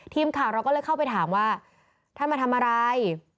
ทีมข่าวเราก็เลยเข้าไปถามว่าท่านมาทำอะไร